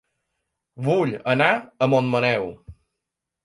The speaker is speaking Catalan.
Vull anar a Montmaneu